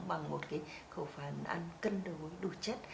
bằng một khẩu phản ăn cân đối đủ chất